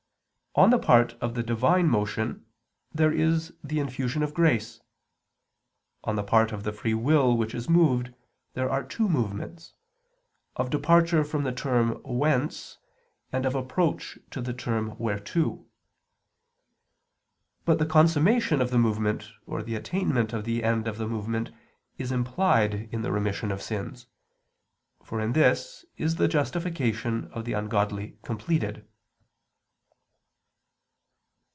On the part of the Divine motion, there is the infusion of grace; on the part of the free will which is moved, there are two movements of departure from the term whence, and of approach to the term whereto; but the consummation of the movement or the attainment of the end of the movement is implied in the remission of sins; for in this is the justification of the ungodly completed.